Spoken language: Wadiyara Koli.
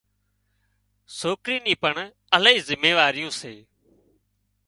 سوڪرِي ني پڻ الاهي زميواريون سي